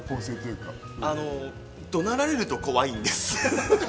怒鳴られると怖いんです。